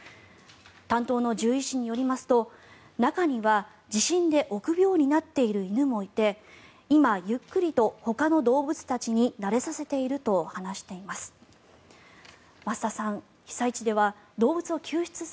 担当の獣医師によりますと中には地震で臆病になっている犬もいて今、ゆっくりとほかの動物たちに慣れさせていると話しています。